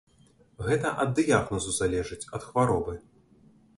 Гэта ад дыягназу залежыць, ад хваробы.